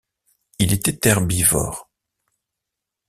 Il était herbivore.